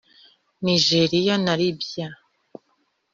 Nigeria na Libya